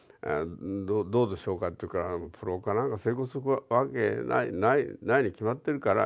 「どうでしょうか？」って言うから「プロ化なんか成功するわけないに決まってるから」